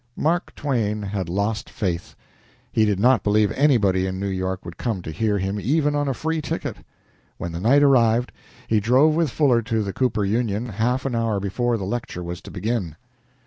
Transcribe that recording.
Mark Twain had lost faith he did not believe anybody in New York would come to hear him even on a free ticket. When the night arrived, he drove with Fuller to the Cooper Union half an hour before the lecture was to begin.